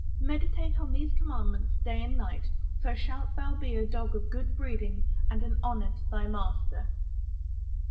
Meditate on these commandments day and night; so shalt thou be a dog of good breeding and an honor to thy master.